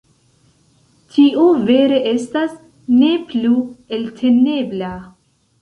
Tio vere estas ne plu eltenebla.